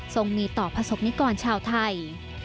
ส่งมีต่อประสบนิกรชาวไทย